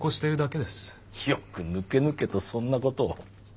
よくぬけぬけとそんなことを。